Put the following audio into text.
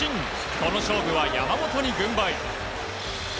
この勝負は山本に軍配。